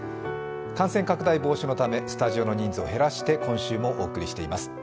感染拡大防止のためスタジオの人数を減らして今週もお送りしています。